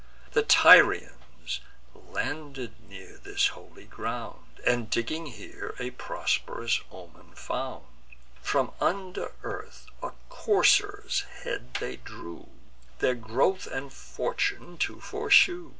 The Tyrians, landing near this holy ground, And digging here, a prosp'rous omen found: From under earth a courser's head they drew, Their growth and future fortune to foreshew.